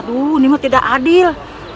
ini tidak adil